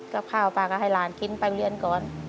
กับข้าวป้าก็ให้หลานกินไปเรียนก่อน